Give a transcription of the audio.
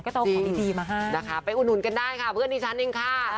ก็โตของดีมาฮะจริงจริงนะคะไปอุดหนุนกันได้ค่ะเพื่อนดิฉันเองค่ะ